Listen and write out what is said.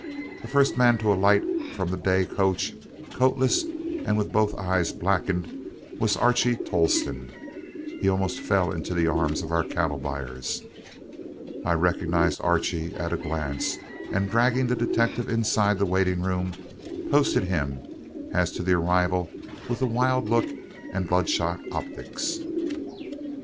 The first man to alight from the day coach, coatless and with both eyes blackened, was Archie Tolleston; he almost fell into the arms of our cattle buyers. I recognized Archie at a glance, and dragging the detective inside the waiting room, posted him as to the arrival with the wild look and blood shot optics.